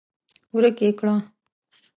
ورک يې کړه!